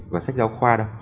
và sách giáo khoa